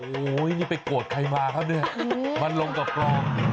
โอ้โหนี่ไปโกรธใครมาครับเนี่ยมันลงกับกรอง